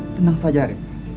tenang saja arief